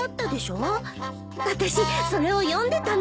私それを読んでたの。